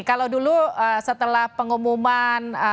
kalau dulu setelah pengumuman